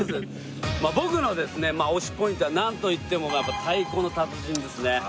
僕の推しポイントは何といっても太鼓の達人ですね